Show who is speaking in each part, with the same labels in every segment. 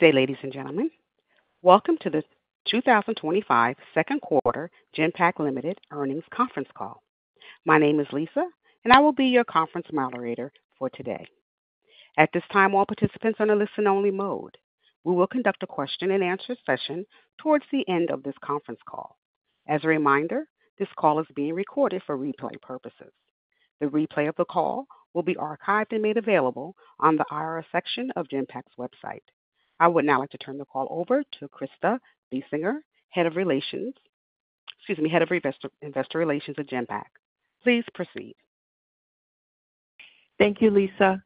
Speaker 1: Good day, ladies and gentlemen. Welcome to the 2025 second quarter Genpact Limited earnings conference call. My name is Lisa, and I will be your conference moderator for today. At this time, all participants are in a listen-only mode. We will conduct a question and answer session towards the end of this conference call. As a reminder, this call is being recorded for replay purposes. The replay of the call will be archived and made available on the IR section of Genpact's website. I would now like to turn the call over to Krista Bessinger, Head of Investor Relations at Genpact. Please proceed.
Speaker 2: Thank you, Lisa.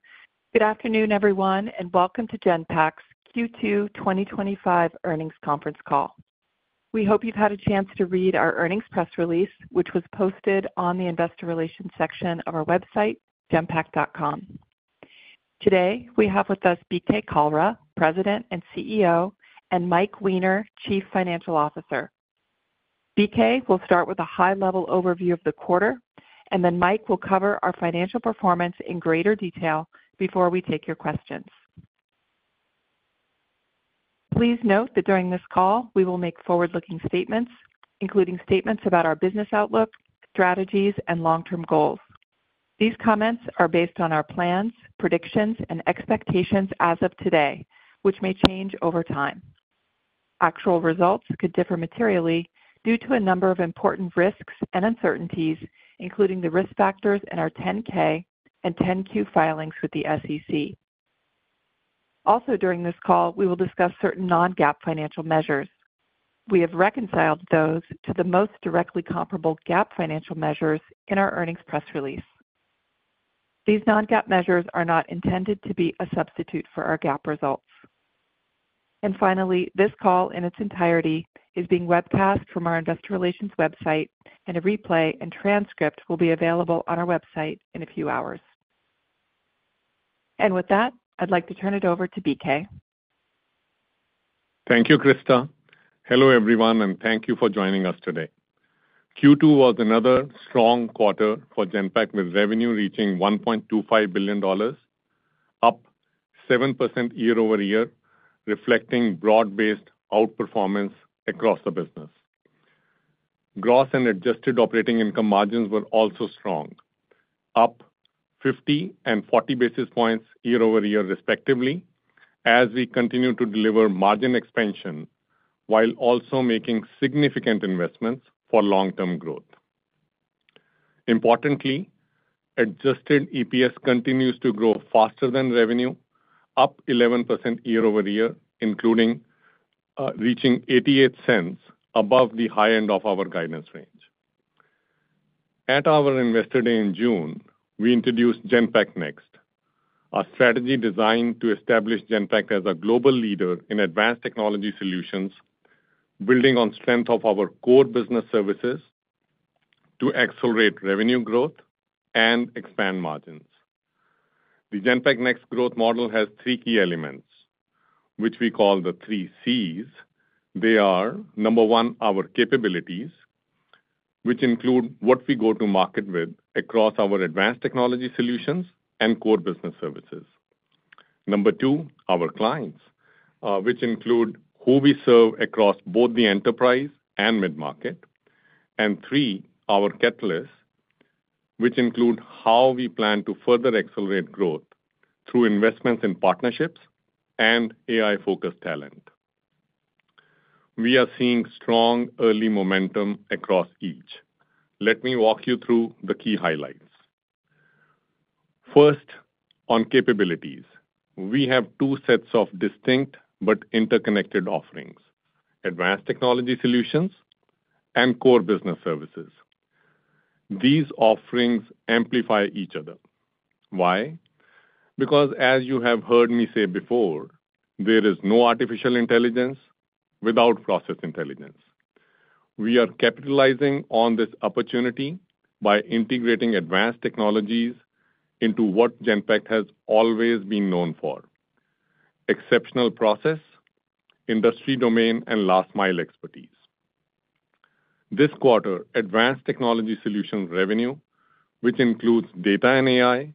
Speaker 2: Good afternoon, everyone, and welcome to Genpact's Q2 2025 earnings conference call. We hope you've had a chance to read our earnings press release, which was posted on the Investor Relations section of our website, genpact.com. Today, we have with us BK Kalra, President and CEO, and Mike Weiner, Chief Financial Officer. BK will start with a high-level overview of the quarter, then Mike will cover our financial performance in greater detail before we take your questions. Please note that during this call, we will make forward-looking statements, including statements about our business outlook, strategies, and long-term goals. These comments are based on our plans, predictions, and expectations as of today, which may change over time. Actual results could differ materially due to a number of important risks and uncertainties, including the risk factors in our 10-K and 10-Q filings with the SEC. Also, during this call, we will discuss certain non-GAAP financial measures. We have reconciled those to the most directly comparable GAAP financial measures in our earnings press release. These non-GAAP measures are not intended to be a substitute for our GAAP results. Finally, this call in its entirety is being webcast from our Investor Relations website, and a replay and transcript will be available on our website in a few hours. With that, I'd like to turn it over to BK.
Speaker 3: Thank you, Krista. Hello everyone, and thank you for joining us today. Q2 was another strong quarter for Genpact, with revenue reaching $1.25 billion, up 7% year-over-year, reflecting broad-based outperformance across the business. Gross and adjusted operating income margins were also strong, up 50 and 40 basis points year-over-year, respectively, as we continue to deliver margin expansion while also making significant investments for long-term growth. Importantly, adjusted EPS continues to grow faster than revenue, up 11% year-over-year, including reaching $0.88 above the high end of our guidance range. At our Investor Day in June, we introduced Genpact Next, a strategy designed to establish Genpact as a global leader in advanced technology solutions, building on the strength of our core business services to accelerate revenue growth and expand margins. The Genpact Next growth model has three key elements, which we call the three Cs. They are, number one, our capabilities, which include what we go to market with across our advanced technology solutions and core business services. Number two, our clients, which include who we serve across both the enterprise and mid-market. Three, our catalysts, which include how we plan to further accelerate growth through investments in partnerships and AI-focused talent. We are seeing strong early momentum across each. Let me walk you through the key highlights. First, on capabilities, we have two sets of distinct but interconnected offerings: advanced technology solutions and core business services. These offerings amplify each other. Why? Because, as you have heard me say before, there is no artificial intelligence without process intelligence. We are capitalizing on this opportunity by integrating advanced technologies into what Genpact has always been known for: exceptional process, industry domain, and last-mile expertise. This quarter, advanced technology solutions revenue, which includes data and AI,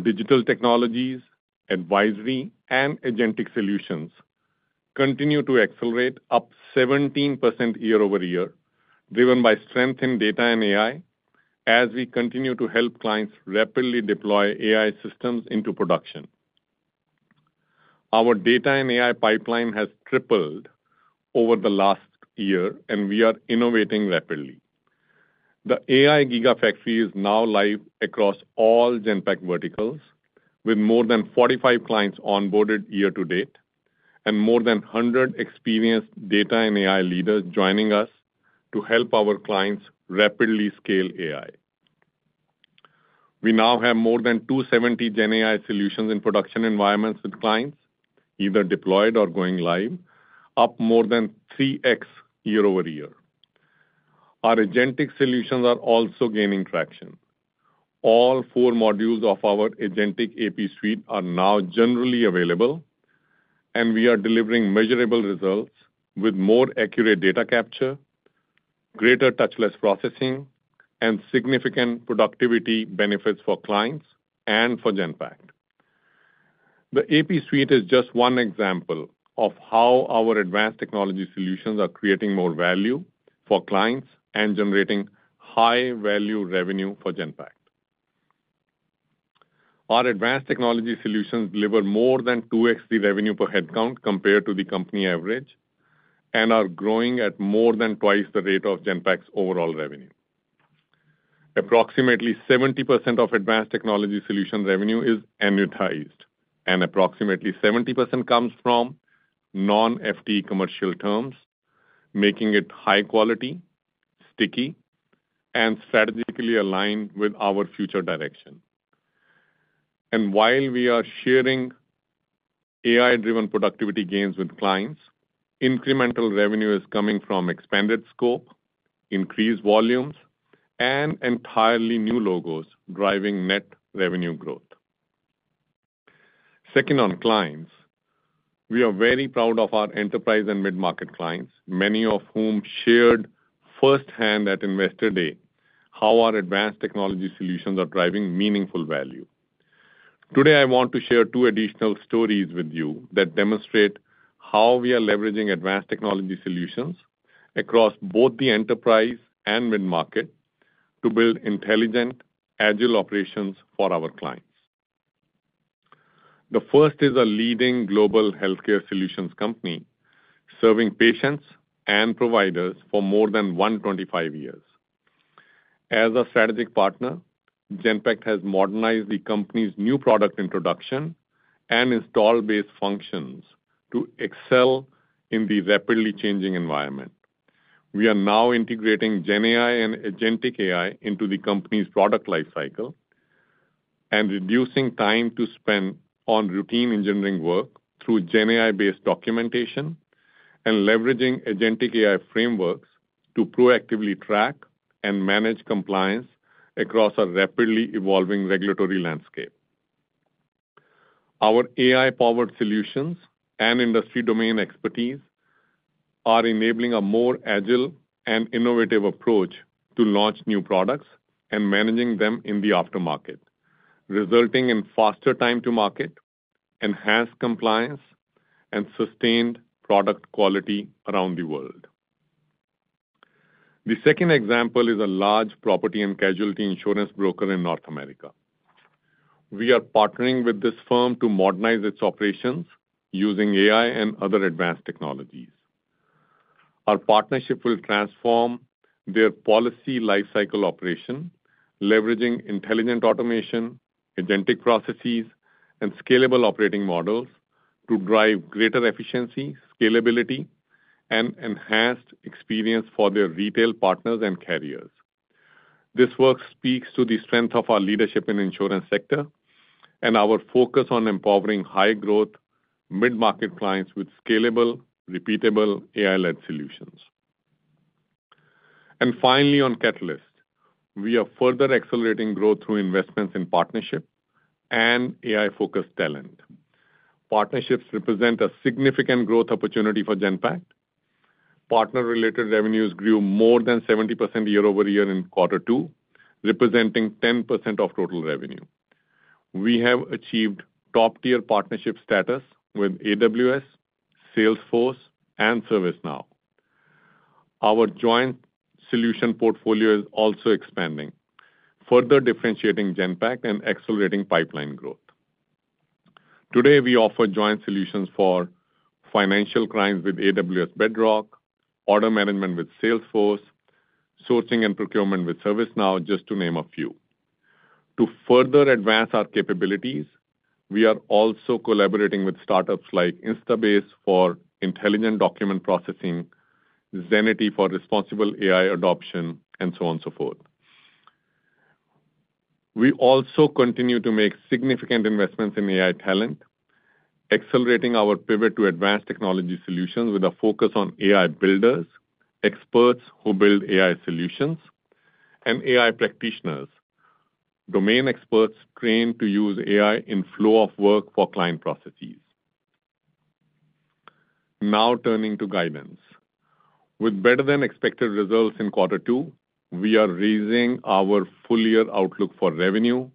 Speaker 3: digital technologies, advisory, and agentic solutions, continues to accelerate, up 17% year-over-year, driven by strength in data and AI, as we continue to help clients rapidly deploy AI systems into production. Our data and AI pipeline has tripled over the last year, and we are innovating rapidly. The AI gigafactory is now live across all Genpact verticals, with more than 45 clients onboarded year to date and more than 100 experienced data and AI leaders joining us to help our clients rapidly scale AI. We now have more than 270 GenAI solutions in production environments with clients, either deployed or going live, up more than 3x year-over-year. Our agentic solutions are also gaining traction. All four modules of our agentic AP suite are now generally available, and we are delivering measurable results with more accurate data capture, greater touchless processing, and significant productivity benefits for clients and for Genpact. The AP suite is just one example of how our advanced technology solutions are creating more value for clients and generating high-value revenue for Genpact. Our advanced technology solutions deliver more than 2x the revenue per headcount compared to the company average and are growing at more than twice the rate of Genpact's overall revenue. Approximately 70% of advanced technology solution revenue is annuitized, and approximately 70% comes from non-FTE commercial terms, making it high quality, sticky, and strategically aligned with our future direction. While we are sharing AI-driven productivity gains with clients, incremental revenue is coming from expanded scope, increased volumes, and entirely new logos driving net revenue growth. On clients, we are very proud of our enterprise and mid-market clients, many of whom shared firsthand at Investor Day how our advanced technology solutions are driving meaningful value. Today, I want to share two additional stories with you that demonstrate how we are leveraging advanced technology solutions across both the enterprise and mid-market to build intelligent, agile operations for our clients. The first is a leading global healthcare solutions company serving patients and providers for more than 125 years. As a strategic partner, Genpact has modernized the company's new product introduction and install-based functions to excel in the rapidly changing environment. We are now integrating GenAI and agentic AI into the company's product lifecycle and reducing time to spend on routine engineering work through GenAI-based documentation and leveraging agentic AI frameworks to proactively track and manage compliance across a rapidly evolving regulatory landscape. Our AI-powered solutions and industry domain expertise are enabling a more agile and innovative approach to launch new products and managing them in the aftermarket, resulting in faster time to market, enhanced compliance, and sustained product quality around the world. The second example is a large property and casualty insurance broker in North America. We are partnering with this firm to modernize its operations using AI and other advanced technologies. Our partnership will transform their policy lifecycle operation, leveraging intelligent automation, agentic processes, and scalable operating models to drive greater efficiency, scalability, and enhanced experience for their retail partners and carriers. This work speaks to the strength of our leadership in the insurance sector and our focus on empowering high-growth mid-market clients with scalable, repeatable AI-led solutions. Finally, on catalysts, we are further accelerating growth through investments in partnership and AI-focused talent. Partnerships represent a significant growth opportunity for Genpact. Partner-related revenues grew more than 70% year-over-year in quarter two, representing 10% of total revenue. We have achieved top-tier partnership status with AWS, Salesforce, and ServiceNow. Our joint solution portfolio is also expanding, further differentiating Genpact and accelerating pipeline growth. Today, we offer joint solutions for financial crimes with AWS Bedrock, order management with Salesforce, sourcing and procurement with ServiceNow, just to name a few. To further advance our capabilities, we are also collaborating with startups like Instabase for intelligent document processing, Zenity for responsible AI adoption, and so on and so forth. We also continue to make significant investments in AI talent, accelerating our pivot to advanced technology solutions with a focus on AI builders, experts who build AI solutions, and AI practitioners, domain experts trained to use AI in flow of work for client processes. Now turning to guidance. With better than expected results in quarter two, we are raising our full-year outlook for revenue,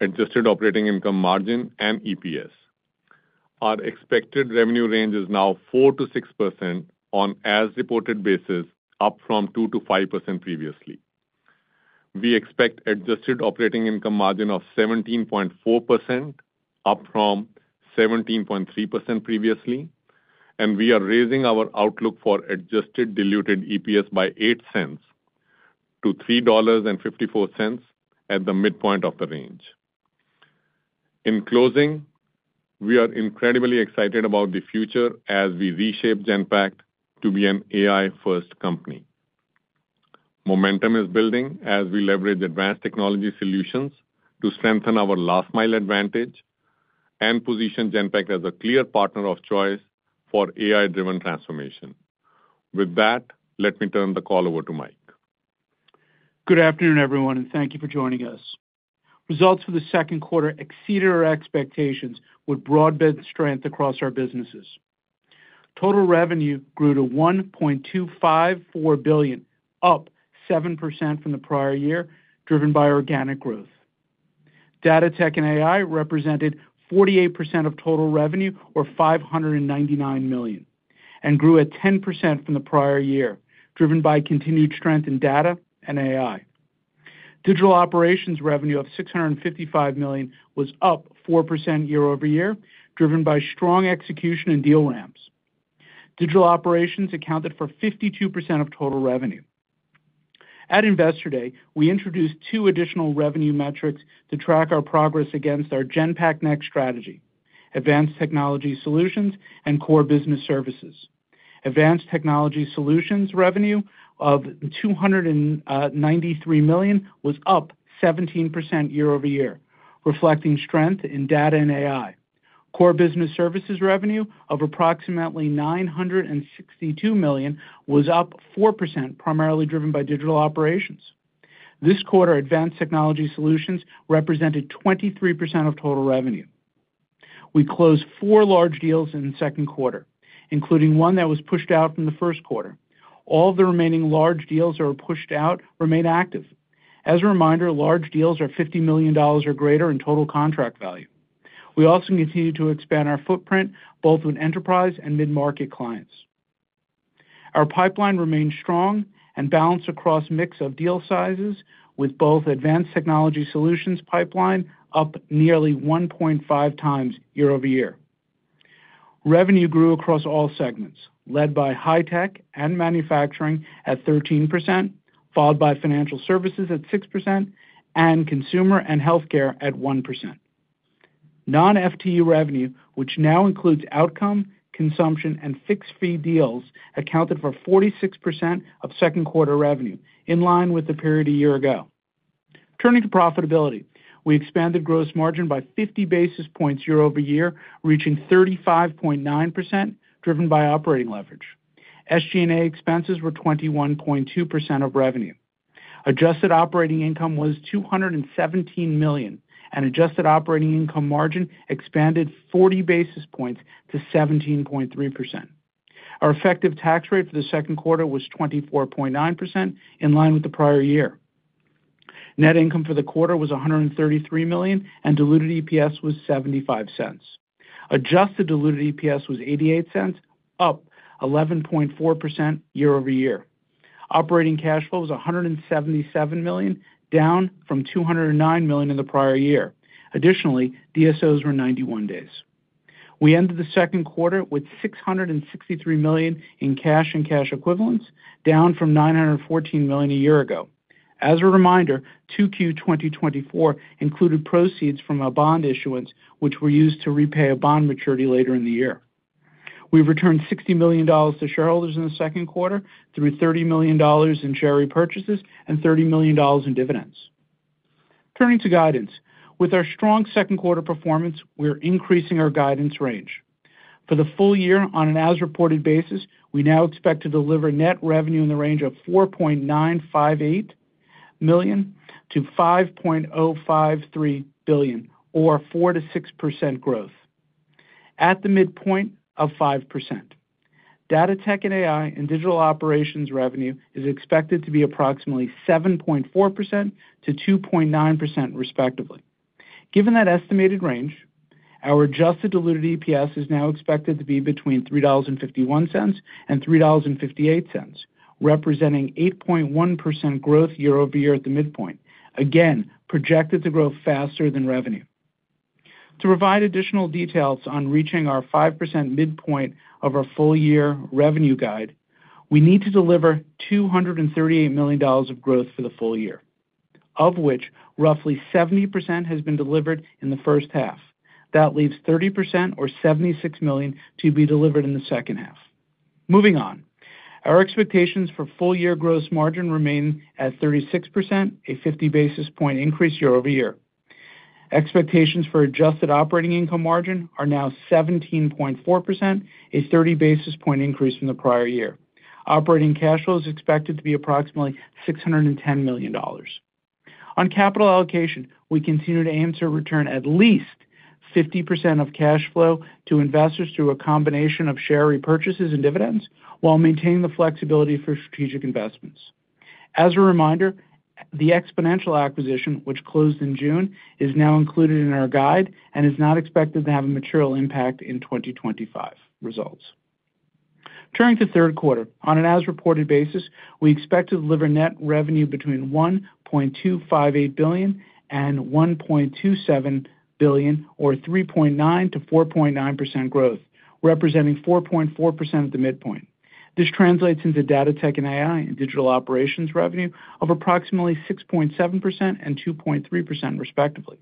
Speaker 3: adjusted operating income margin, and EPS. Our expected revenue range is now 4%-6% on an as-reported basis, up from 2%-5% previously. We expect an adjusted operating income margin of 17.4%, up from 17.3% previously, and we are raising our outlook for adjusted diluted EPS by $0.08-$3.54 at the midpoint of the range. In closing, we are incredibly excited about the future as we reshape Genpact to be an AI-first company. Momentum is building as we leverage advanced technology solutions to strengthen our last-mile advantage and position Genpact as a clear partner of choice for AI-driven transformation. With that, let me turn the call over to Mike Weiner.
Speaker 4: Good afternoon, everyone, and thank you for joining us. Results for the second quarter exceeded our expectations with broad-based strength across our businesses. Total revenue grew to $1.254 billion, up 7% from the prior year, driven by organic growth. Data tech and AI represented 48% of total revenue, or $599 million, and grew at 10% from the prior year, driven by continued strength in data and AI. Digital operations revenue of $655 million was up 4% year-over-year, driven by strong execution and deal ramps. Digital operations accounted for 52% of total revenue. At Investor Day, we introduced two additional revenue metrics to track our progress against our Genpact Next strategy: advanced technology solutions and core business services. Advanced technology solutions revenue of $293 million was up 17% year-over-year, reflecting strength in data and AI. Core business services revenue of approximately $962 million was up 4%, primarily driven by digital operations. This quarter, advanced technology solutions represented 23% of total revenue. We closed four large deals in the second quarter, including one that was pushed out from the first quarter. All the remaining large deals that were pushed out remain active. As a reminder, large deals are $50 million or greater in total contract value. We also continue to expand our footprint both with enterprise and mid-market clients. Our pipeline remains strong and balanced across a mix of deal sizes, with both advanced technology solutions pipeline up nearly 1.5x year-over-year. Revenue grew across all segments, led by high tech and manufacturing at 13%, followed by financial services at 6%, and consumer and healthcare at 1%. Non-FTE revenue, which now includes outcome, consumption, and fixed fee deals, accounted for 46% of second quarter revenue, in line with the period a year ago. Turning to profitability, we expanded gross margin by 50 basis points year-over-year, reaching 35.9%, driven by operating leverage. SG&A expenses were 21.2% of revenue. Adjusted operating income was $217 million, and adjusted operating income margin expanded 40 basis points to 17.3%. Our effective tax rate for the second quarter was 24.9%, in line with the prior year. Net income for the quarter was $133 million, and diluted EPS was $0.75. Adjusted diluted EPS was $0.88, up 11.4% year-over-year. Operating cash flow was $177 million, down from $209 million in the prior year. Additionally, DSOs were 91 days. We ended the second quarter with $663 million in cash and cash equivalents, down from $914 million a year ago. As a reminder, Q2 2024 included proceeds from a bond issuance, which were used to repay a bond maturity later in the year. We returned $60 million to shareholders in the second quarter, through $30 million in share repurchases and $30 million in dividends. Turning to guidance, with our strong second quarter performance, we're increasing our guidance range. For the full year, on an as-reported basis, we now expect to deliver net revenue in the range of $4.958 billion-$5.053 billion, or 4% to 6% growth. At the midpoint of 5%, data tech and AI and digital operations revenue is expected to be approximately 7.4% and 2.9%, respectively. Given that estimated range, our adjusted diluted EPS is now expected to be between $3.51 and $3.58, representing 8.1% growth year-over-year at the midpoint, again projected to grow faster than revenue. To provide additional details on reaching our 5% midpoint of our full-year revenue guide, we need to deliver $238 million of growth for the full year, of which roughly 70% has been delivered in the first half. That leaves 30%, or $76 million, to be delivered in the second half. Moving on, our expectations for full-year gross margin remain at 36%, a 50 basis point increase year-over-year. Expectations for adjusted operating income margin are now 17.4%, a 30 basis point increase from the prior year. Operating cash flow is expected to be approximately $610 million. On capital allocation, we continue to aim to return at least 50% of cash flow to investors through a combination of share repurchases and dividends, while maintaining the flexibility for strategic investments. As a reminder, the Exponential acquisition, which closed in June, is now included in our guide and is not expected to have a material impact in 2025 results. Turning to third quarter, on an as-reported basis, we expect to deliver net revenue between $1.258 billion and $1.27 billion, or 3.9%-4.9% growth, representing 4.4% at the midpoint. This translates into data tech and AI and digital operations revenue of approximately 6.7% and 2.3%, respectively.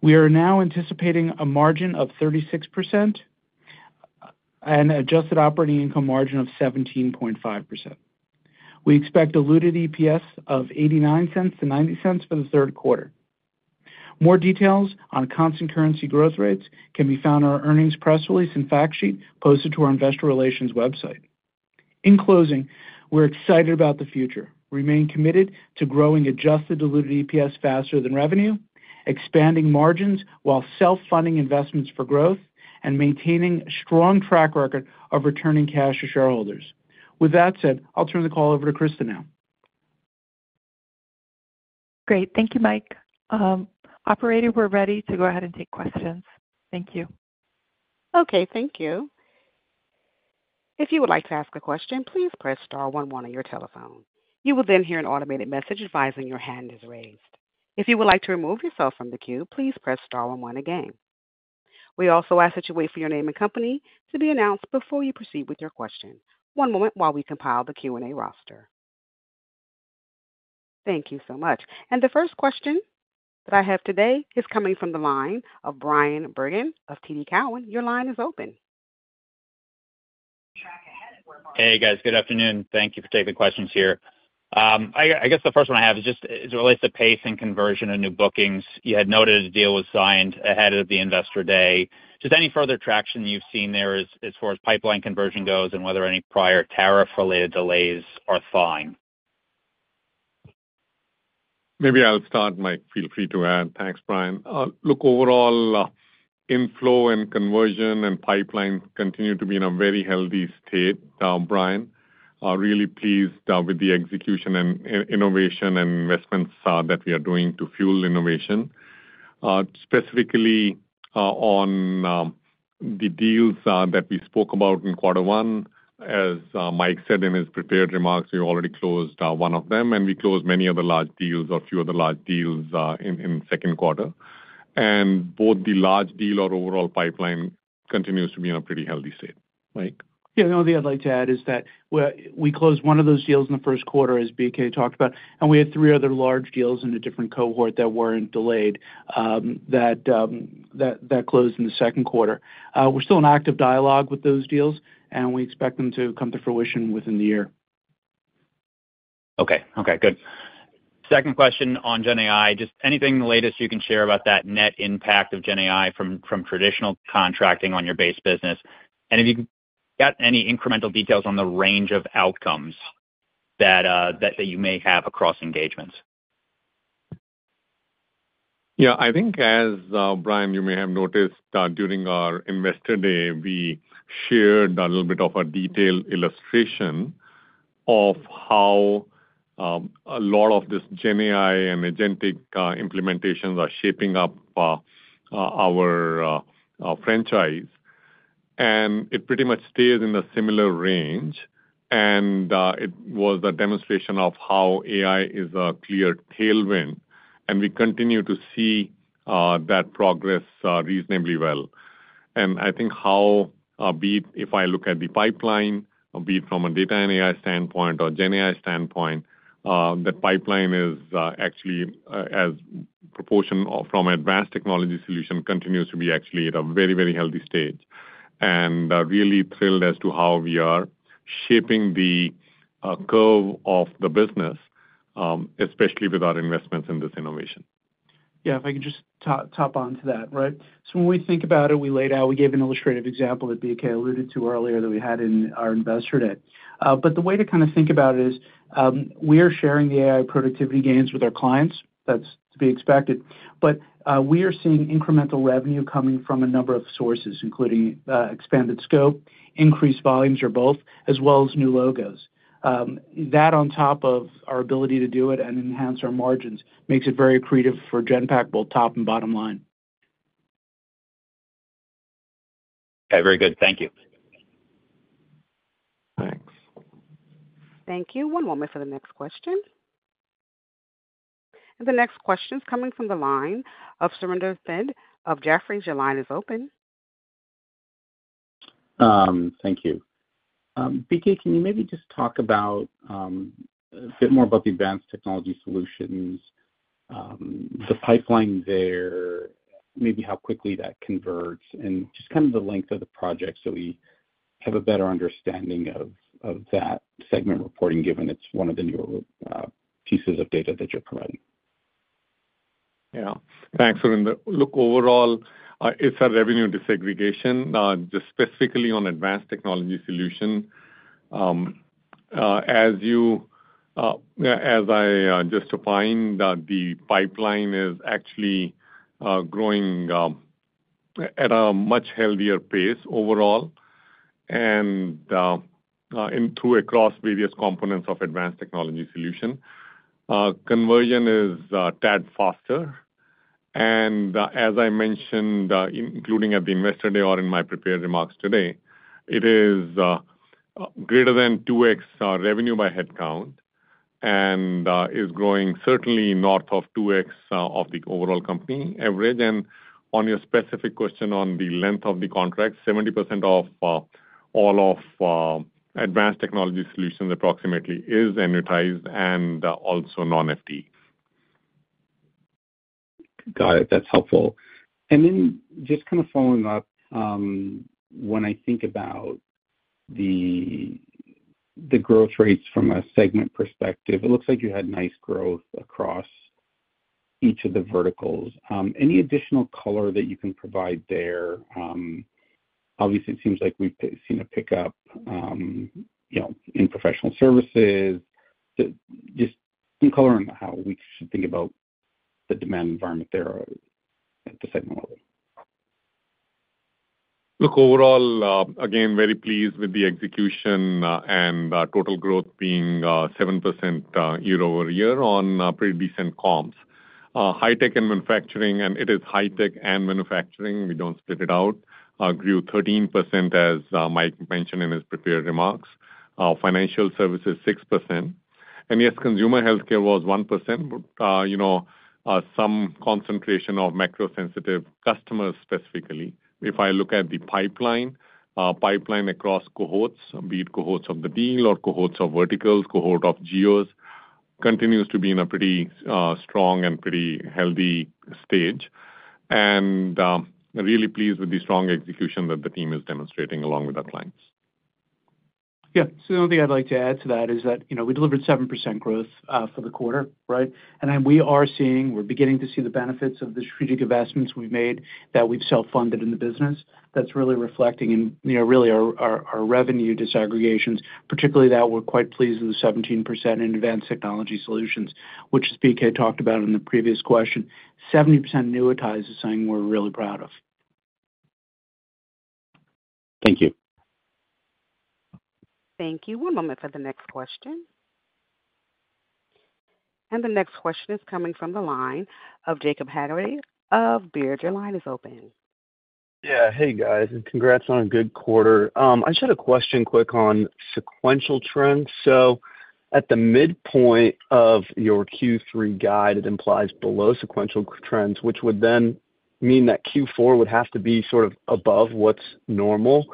Speaker 4: We are now anticipating a margin of 36% and an adjusted operating income margin of 17.5%. We expect diluted EPS of $0.89-$0.90 for the third quarter. More details on constant currency growth rates can be found in our earnings press release and fact sheet posted to our Investor Relations website. In closing, we're excited about the future, remaining committed to growing adjusted diluted EPS faster than revenue, expanding margins while self-funding investments for growth, and maintaining a strong track record of returning cash to shareholders. With that said, I'll turn the call over to Krista now.
Speaker 2: Great. Thank you, Mike. Operator, we're ready to go ahead and take questions. Thank you.
Speaker 1: Okay. Thank you. If you would like to ask a question, please press star one-one on your telephone. You will then hear an automated message advising your hand is raised. If you would like to remove yourself from the queue, please press star one-one again. We also ask that you wait for your name and company to be announced before you proceed with your question. One moment while we compile the Q&A roster. Thank you so much. The first question that I have today is coming from the line of Bryan Bergin of TD Cowen. Your line is open.
Speaker 5: Good afternoon. Thank you for taking the questions here. I guess the first one I have is just as it relates to pace and conversion of new bookings. You had noted a deal was signed ahead of the Investor Day. Any further traction you've seen there as far as pipeline conversion goes and whether any prior tariff-related delays are thawing?
Speaker 3: Maybe I'll start, Mike. Feel free to add. Thanks, Bryan. Look, overall, inflow and conversion and pipeline continue to be in a very healthy state. Brian, really pleased with the execution and innovation and investments that we are doing to fuel innovation. Specifically, on the deals that we spoke about in quarter one, as Mike said in his prepared remarks, we already closed one of them, and we closed many other large deals or a few other large deals in the second quarter. Both the large deal and overall pipeline continue to be in a pretty healthy state, Mike.
Speaker 4: The only thing I'd like to add is that we closed one of those deals in the first quarter, as BK talked about, and we had three other large deals in a different cohort that weren't delayed that closed in the second quarter. We're still in active dialogue with those deals, and we expect them to come to fruition within the year.
Speaker 5: Okay. Good. Second question on GenAI. Just anything the latest you can share about that net impact of GenAI from traditional contracting on your base business? If you've got any incremental details on the range of outcomes that you may have across engagements.
Speaker 3: Yeah. I think, as Brian, you may have noticed, during our Investor Day, we shared a little bit of a detailed illustration of how a lot of this GenAI and agentic implementations are shaping up our franchise. It pretty much stays in a similar range. It was a demonstration of how AI is a clear tailwind, and we continue to see that progress reasonably well. I think how, if I look at the pipeline, be it from a data and AI standpoint or GenAI standpoint, the pipeline is actually, as a proportion from advanced technology solutions, continues to be actually at a very, very healthy stage. I'm really thrilled as to how we are shaping the curve of the business, especially with our investments in this innovation.
Speaker 4: Yeah. If I could just top onto that, right? When we think about it, we laid out, we gave an illustrative example that BK alluded to earlier that we had in our Investor Day. The way to kind of think about it is we are sharing the AI productivity gains with our clients. That's to be expected. We are seeing incremental revenue coming from a number of sources, including expanded scope, increased volumes, or both, as well as new logos. That on top of our ability to do it and enhance our margins makes it very creative for Genpact, both top and bottom line.
Speaker 5: Okay. Very good. Thank you.
Speaker 3: Thanks.
Speaker 1: Thank you. One moment for the next question. The next question is coming from the line of Surinder Thind of Jefferies. Your line is open.
Speaker 6: Thank you. BK, can you maybe just talk a bit more about the advanced technology solutions, the pipeline there, maybe how quickly that converts, and just kind of the length of the project so we have a better understanding of that segment reporting, given it's one of the newer pieces of data that you're providing?
Speaker 3: Yeah. Thanks. I mean, look, overall, it's a revenue desegregation, just specifically on advanced technology solutions. As I just opined, the pipeline is actually growing at a much healthier pace overall and through across various components of advanced technology solutions. Conversion is a tad faster. As I mentioned, including at the Investor Day or in my prepared remarks today, it is greater than 2x revenue by headcount and is growing certainly north of 2x of the overall company average. On your specific question on the length of the contract, 70% of all of advanced technology solutions approximately is annuitized and also non-FTE.
Speaker 6: Got it. That's helpful. Just kind of following up, when I think about the growth rates from a segment perspective, it looks like you had nice growth across each of the verticals. Any additional color that you can provide there? Obviously, it seems like we've seen a pickup in professional services. Just any color on how we should think about the demand environment there at the segment level.
Speaker 3: Look, overall, again, very pleased with the execution and total growth being 7% year-over-year on pretty decent comps. High tech and manufacturing, and it is high tech and manufacturing. We don't split it out. Grew 13%, as Mike mentioned in his prepared remarks. Financial services, 6%. Yes, consumer healthcare was 1%, but you know some concentration of macro-sensitive customers specifically. If I look at the pipeline, pipeline across cohorts, be it cohorts of the deal or cohorts of verticals, cohort of geos, continues to be in a pretty strong and pretty healthy stage. I'm really pleased with the strong execution that the team is demonstrating along with our clients.
Speaker 4: Yeah. The only thing I'd like to add to that is that we delivered 7% growth for the quarter, right? We are seeing, we're beginning to see the benefits of the strategic investments we've made that we've self-funded in the business. That's really reflecting in really our revenue desegregations, particularly that we're quite pleased with the 17% in advanced technology solutions, which BK talked about in the previous question. 70% annuitized is something we're really proud of.
Speaker 6: Thank you.
Speaker 1: Thank you. One moment for the next question. The next question is coming from the line of Jacob Haggerty of Baird. Your line is open.
Speaker 7: Yeah. Hey, guys, and congrats on a good quarter. I just had a question quick on sequential trends. At the midpoint of your Q3 guide, it implies below sequential trends, which would then mean that Q4 would have to be sort of above what's normal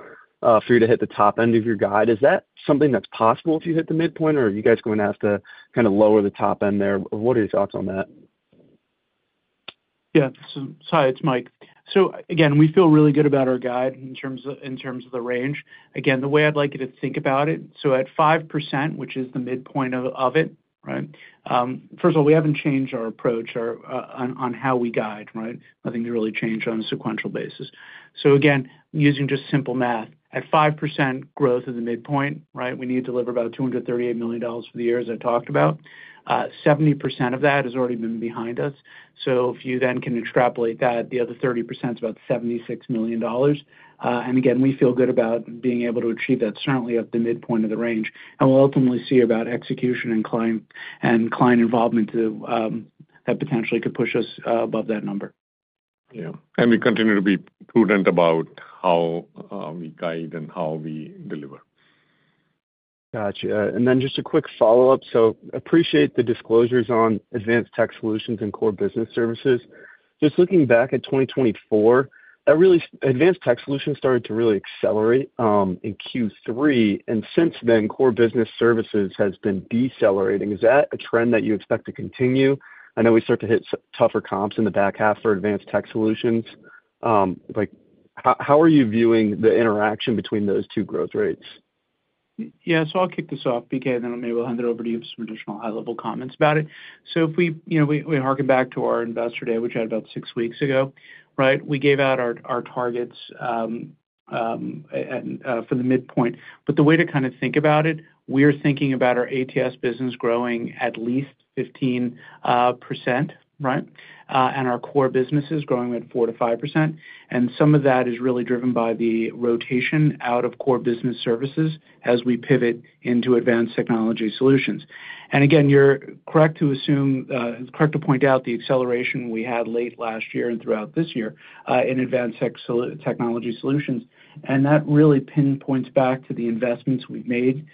Speaker 7: for you to hit the top end of your guide. Is that something that's possible if you hit the midpoint, or are you guys going to have to kind of lower the top end there? What are your thoughts on that?
Speaker 4: Yeah. Sorry, it's Mike. Again, we feel really good about our guide in terms of the range. The way I'd like you to think about it, at 5%, which is the midpoint of it, right? First of all, we haven't changed our approach on how we guide, right? Nothing's really changed on a sequential basis. Using just simple math, at 5% growth at the midpoint, we need to deliver about $238 million for the year, as I talked about. 70% of that has already been behind us. If you then can extrapolate that, the other 30% is about $76 million. Again, we feel good about being able to achieve that certainly at the midpoint of the range. We'll ultimately see about execution and client involvement that potentially could push us above that number.
Speaker 3: We continue to be prudent about how we guide and how we deliver.
Speaker 7: Gotcha. Just a quick follow-up. I appreciate the disclosures on advanced tech solutions and core business services. Just looking back at 2024, advanced tech solutions started to really accelerate in Q3. Since then, core business services have been decelerating. Is that a trend that you expect to continue? I know we start to hit tougher comps in the back half for advanced tech solutions. How are you viewing the interaction between those two growth rates?
Speaker 4: Yeah. I'll kick this off, BK, and then maybe we'll hand it over to you for some additional high-level comments about it. If we harken back to our Investor Day, which we had about six weeks ago, we gave out our targets for the midpoint. The way to kind of think about it, we're thinking about our ATS business growing at least 15%, right? Our core businesses growing at 4% to 5%. Some of that is really driven by the rotation out of core business services as we pivot into advanced technology solutions. You're correct to assume, correct to point out the acceleration we had late last year and throughout this year in advanced technology solutions. That really pinpoints back to the investments we've made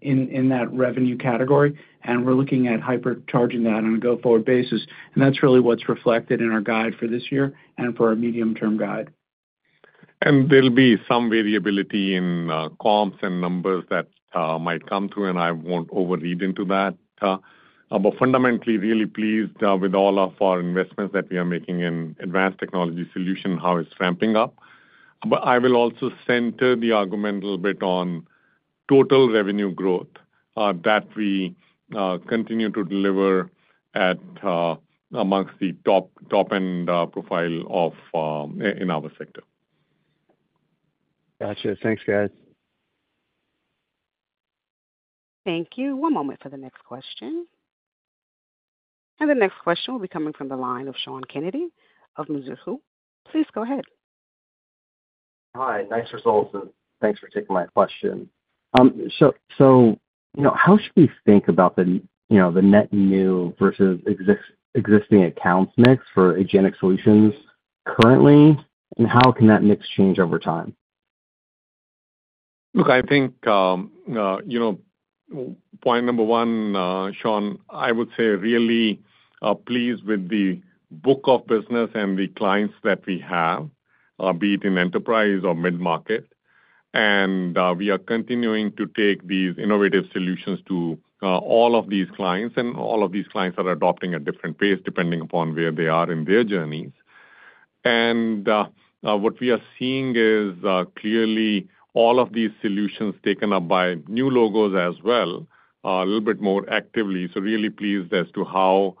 Speaker 4: in that revenue category. We're looking at hypercharging that on a go-forward basis. That's really what's reflected in our guide for this year and for our medium-term guide.
Speaker 3: There will be some variability in comps and numbers that might come through, and I won't overread into that. Fundamentally, really pleased with all of our investments that we are making in advanced technology solutions, how it's ramping up. I will also center the argument a little bit on total revenue growth that we continue to deliver amongst the top-end profile in our sector.
Speaker 7: Gotcha. Thanks, guys.
Speaker 1: Thank you. One moment for the next question. The next question will be coming from the line of Sean Kennedy of Mizuho. Please go ahead.
Speaker 8: Hi. Nice results, and thanks for taking my question. How should we think about the net new versus existing accounts mix for agentic AI solutions currently, and how can that mix change over time?
Speaker 3: Look, I think, you know, point number one, Sean, I would say really pleased with the book of business and the clients that we have, be it in enterprise or mid-market. We are continuing to take these innovative solutions to all of these clients, and all of these clients are adopting at different pace, depending upon where they are in their journeys. What we are seeing is clearly all of these solutions taken up by new logos as well, a little bit more actively. Really pleased as to how,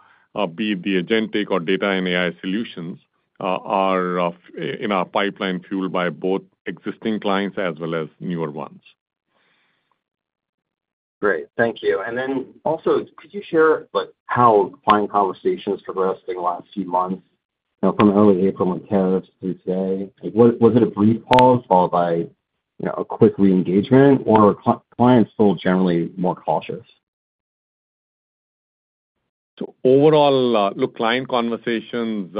Speaker 3: be it the agentic or data and AI solutions, are in our pipeline fueled by both existing clients as well as newer ones.
Speaker 8: Great. Thank you. Could you share how client conversations progressed in the last few months from the early April months' head through today? Was it a brief pause followed by a quick re-engagement, or are clients still generally more cautious?
Speaker 3: Overall, client conversations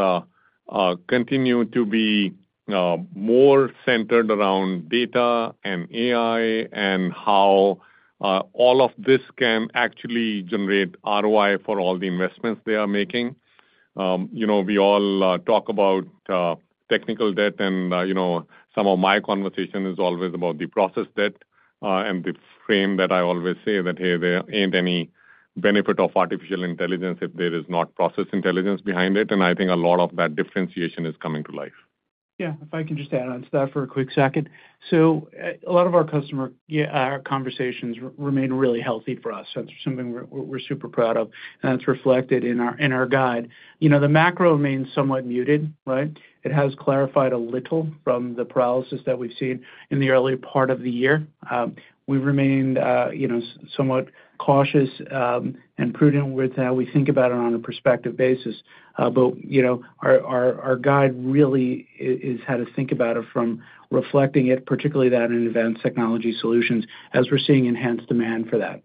Speaker 3: continue to be more centered around data and AI and how all of this can actually generate ROI for all the investments they are making. We all talk about technical debt, and some of my conversation is always about the process debt. The frame that I always say is that, hey, there ain't any benefit of artificial intelligence if there is not process intelligence behind it. I think a lot of that differentiation is coming to life.
Speaker 4: Yeah, if I can just add on to that for a quick second. A lot of our customer conversations remain really healthy for us. That's something we're super proud of, and that's reflected in our guide. The macro remains somewhat muted, right? It has clarified a little from the paralysis that we've seen in the early part of the year. We've remained somewhat cautious and prudent with how we think about it on a perspective basis. Our guide really is how to think about it from reflecting it, particularly that in advanced technology solutions, as we're seeing enhanced demand for that.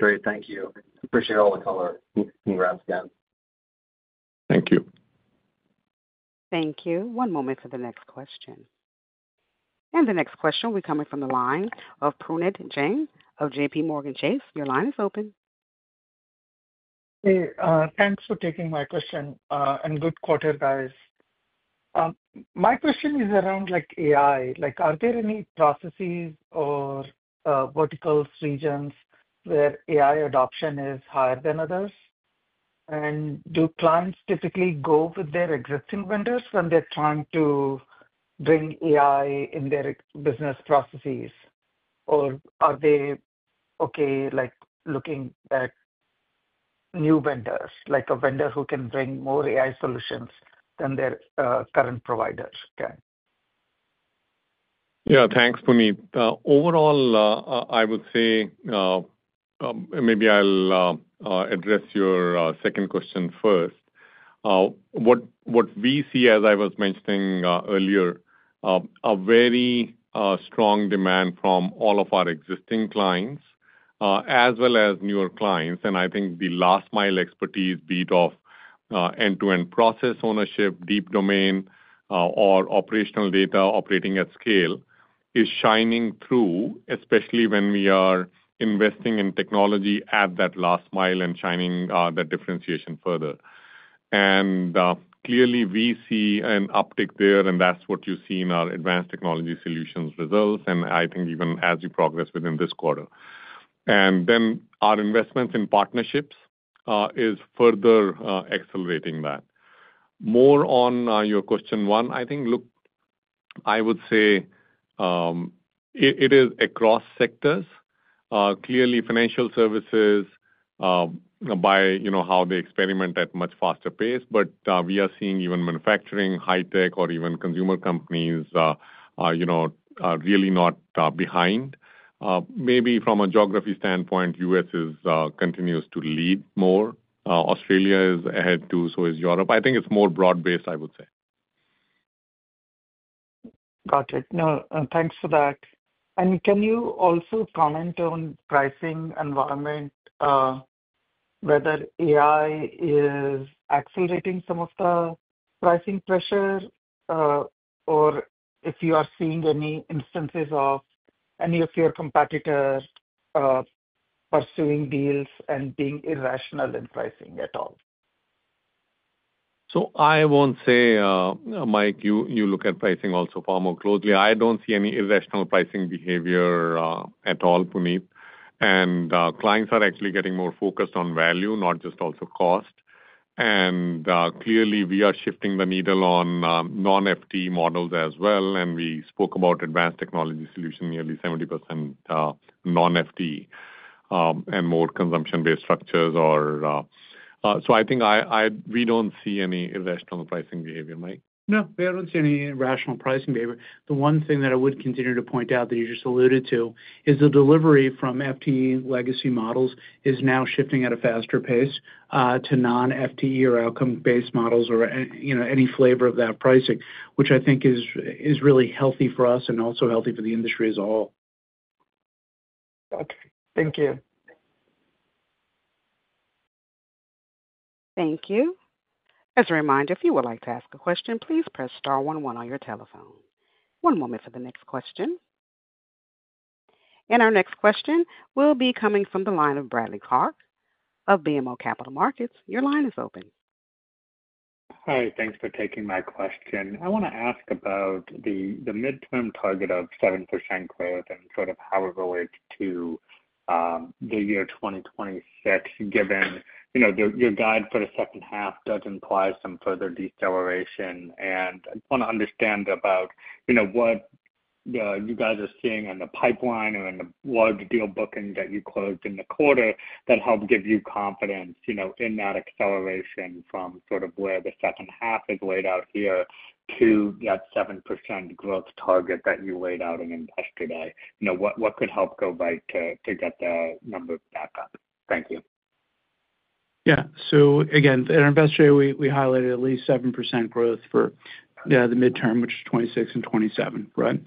Speaker 8: Great. Thank you. Appreciate all the color and graphs again.
Speaker 3: Thank you.
Speaker 1: Thank you. One moment for the next question. The next question will be coming from the line of Puneet Jain of JPMorgan Chase. Your line is open.
Speaker 9: Hey, thanks for taking my question, and good quarter, guys. My question is around AI. Are there any processes or verticals, regions, where AI adoption is higher than others? Do clients typically go with their existing vendors when they're trying to bring AI in their business processes? Are they okay looking at new vendors, like a vendor who can bring more AI solutions than their current providers?
Speaker 3: Yeah. Thanks, Puni. Overall, I would say, and maybe I'll address your second question first. What we see, as I was mentioning earlier, is very strong demand from all of our existing clients, as well as newer clients. I think the last-mile expertise, be it of end-to-end process ownership, deep domain, or operational data operating at scale, is shining through, especially when we are investing in technology at that last mile and shining that differentiation further. We see an uptick there, and that's what you see in our advanced technology solutions results, even as we progress within this quarter. Our investments in partnerships are further accelerating that. More on your question one, I think, look, I would say it is across sectors. Clearly, financial services by how they experiment at a much faster pace, but we are seeing even manufacturing, high tech, or even consumer companies are really not behind. Maybe from a geography standpoint, the U.S. continues to lead more. Australia is ahead too, so is Europe. I think it's more broad-based, I would say.
Speaker 9: Thank you for that. Can you also comment on the pricing environment, whether AI is accelerating some of the pricing pressure, or if you are seeing any instances of any of your competitors pursuing deals and being irrational in pricing at all?
Speaker 3: I won't say, Mike, you look at pricing also far more closely. I don't see any irrational pricing behavior at all, Puni. Clients are actually getting more focused on value, not just also cost. Clearly, we are shifting the needle on non-FTE models as well. We spoke about advanced technology solutions, nearly 70% non-FTE and more consumption-based structures. I think we don't see any irrational pricing behavior, Mike.
Speaker 4: No, we don't see any irrational pricing behavior. The one thing that I would continue to point out that you just alluded to is the delivery from FTE legacy models is now shifting at a faster pace to non-FTE or outcome-based models or any flavor of that pricing, which I think is really healthy for us and also healthy for the industry as a whole.
Speaker 9: Got it. Thank you.
Speaker 1: Thank you. As a reminder, if you would like to ask a question, please press star one-one on your telephone. One moment for the next question. Our next question will be coming from the line of Bradley Clark of BMO Capital Markets. Your line is open.
Speaker 10: Hi. Thanks for taking my question. I want to ask about the midterm target of 7% growth and how it relates to the year 2026, given your guide for the second half does imply some further deceleration. I just want to understand about what you guys are seeing in the pipeline and in the large deal bookings that you closed in the quarter that help give you confidence in that acceleration from where the second half is laid out here to that 7% growth target that you laid out in Investor Day. What could help go right to get the numbers back up? Thank you.
Speaker 4: Yeah. At our Investor Day, we highlighted at least 7% growth for the midterm, which is 2026 and 2027, right?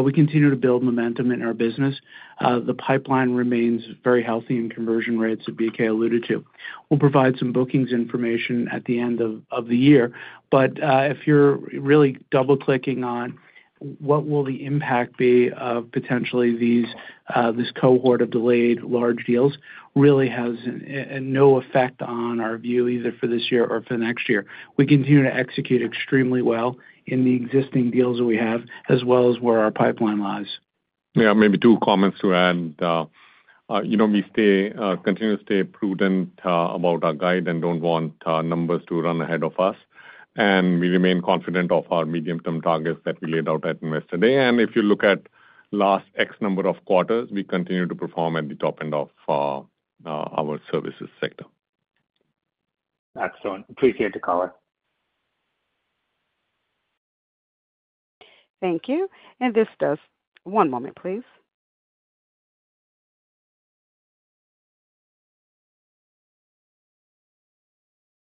Speaker 4: We continue to build momentum in our business. The pipeline remains very healthy in conversion rates that BK alluded to. We'll provide some bookings information at the end of the year. If you're really double-clicking on what will the impact be of potentially this cohort of delayed large deals, it really has no effect on our view either for this year or for the next year. We continue to execute extremely well in the existing deals that we have, as well as where our pipeline lies.
Speaker 3: Yeah. Maybe two comments to add. We continue to stay prudent about our guide and don't want numbers to run ahead of us. We remain confident of our medium-term targets that we laid out at Investor Day. If you look at the last x number of quarters, we continue to perform at the top end of our services sector.
Speaker 10: Excellent. Appreciate the color.
Speaker 1: Thank you. One moment, please.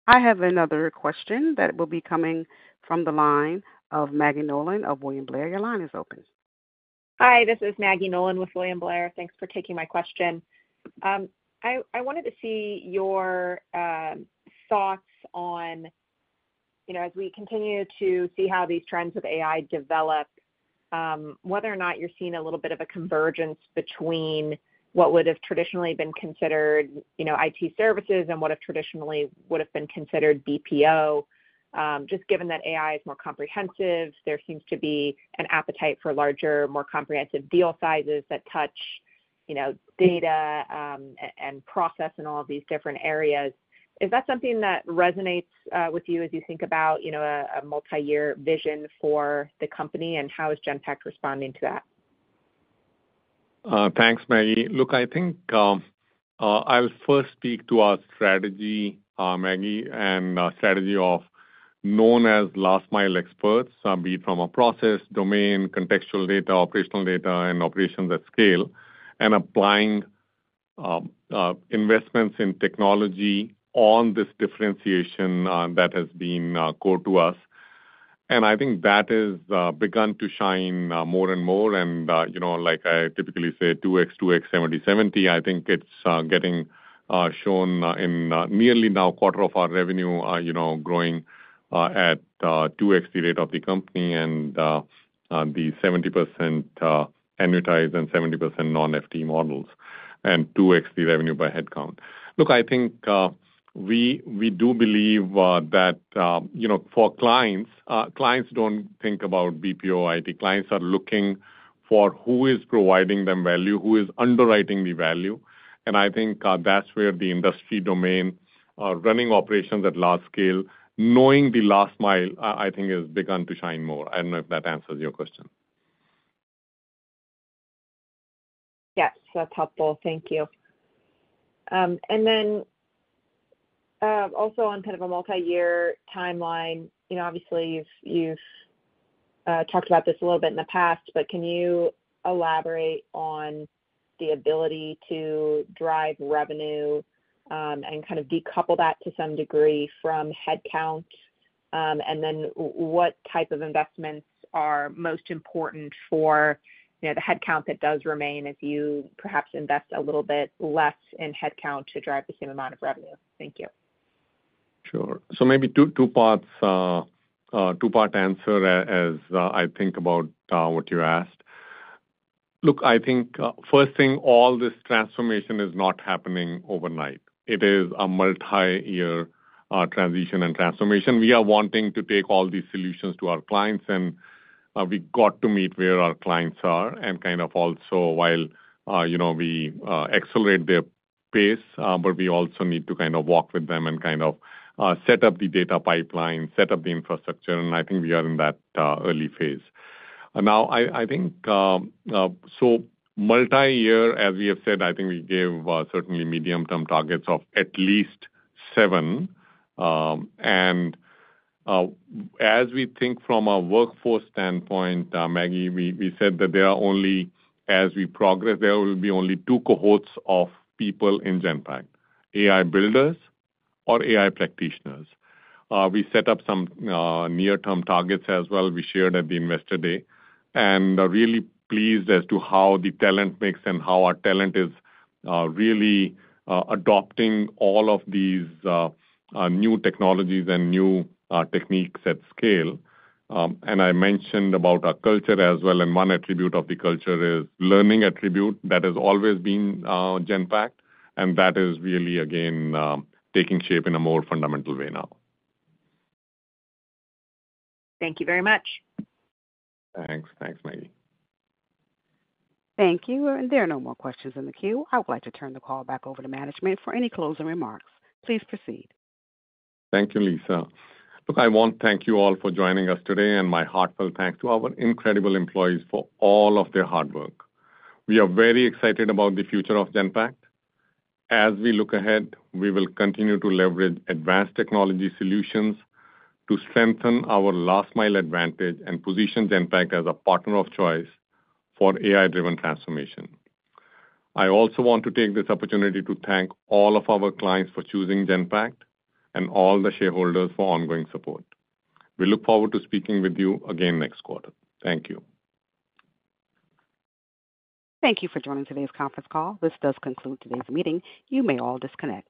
Speaker 1: I have another question that will be coming from the line of Maggie Nolan of William Blair. Your line is open.
Speaker 11: Hi. This is Maggie Nolan with William Blair. Thanks for taking my question. I wanted to see your thoughts on, you know, as we continue to see how these trends with AI develop, whether or not you're seeing a little bit of a convergence between what would have traditionally been considered, you know, IT services and what have traditionally been considered BPO. Just given that AI is more comprehensive, there seems to be an appetite for larger, more comprehensive deal sizes that touch, you know, data and process in all of these different areas. Is that something that resonates with you as you think about, you know, a multi-year vision for the company, and how is Genpact responding to that?
Speaker 3: Thanks, Maggie. I think I'll first speak to our strategy, Maggie, and our strategy known as last-mile experts, be it from a process, domain, contextual data, operational data, and operations at scale, and applying investments in technology on this differentiation that has been core to us. I think that has begun to shine more and more. You know, like I typically say, 2x, 2x, 70/70, I think it's getting shown in nearly now a quarter of our revenue, growing at 2x the rate of the company and the 70% annuitized and 70% non-FTE models and 2x the revenue by headcount. I think we do believe that, for clients, clients don't think about BPO or IT. Clients are looking for who is providing them value, who is underwriting the value. I think that's where the industry domain, running operations at large scale, knowing the last mile, has begun to shine more. I don't know if that answers your question.
Speaker 11: Yes, that's helpful. Thank you. On kind of a multi-year timeline, you know, obviously, you've talked about this a little bit in the past. Can you elaborate on the ability to drive revenue and kind of decouple that to some degree from headcount? What type of investments are most important for the headcount that does remain if you perhaps invest a little bit less in headcount to drive the same amount of revenue? Thank you.
Speaker 3: Sure. Maybe two-part answer as I think about what you asked. I think first thing, all this transformation is not happening overnight. It is a multi-year transition and transformation. We are wanting to take all these solutions to our clients, and we have to meet where our clients are and also, while we accelerate their pace, we also need to walk with them and set up the data pipeline, set up the infrastructure. I think we are in that early phase. Multi-year, as we have said, we give certainly medium-term targets of at least seven. As we think from a workforce standpoint, Maggie, we said that as we progress, there will be only two cohorts of people in Genpact, AI builders or AI practitioners. We set up some near-term targets as well we shared at the Investor Day. Really pleased as to how the talent mix and how our talent is really adopting all of these new technologies and new techniques at scale. I mentioned about our culture as well, and one attribute of the culture is learning attribute that has always been Genpact, and that is really, again, taking shape in a more fundamental way now.
Speaker 11: Thank you very much.
Speaker 3: Thanks. Thanks, Maggie.
Speaker 1: Thank you. There are no more questions in the queue. I would like to turn the call back over to management for any closing remarks. Please proceed.
Speaker 3: Thank you, Lisa. I want to thank you all for joining us today, and my heartfelt thanks to our incredible employees for all of their hard work. We are very excited about the future of Genpact. As we look ahead, we will continue to leverage advanced technology solutions to strengthen our last-mile advantage and position Genpact as a partner of choice for AI-driven transformation. I also want to take this opportunity to thank all of our clients for choosing Genpact and all the shareholders for ongoing support. We look forward to speaking with you again next quarter. Thank you.
Speaker 1: Thank you for joining today's conference call. This does conclude today's meeting. You may all disconnect.